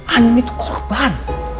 ani itu korban